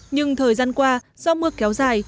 nhưng thời gian qua do mưa kéo dài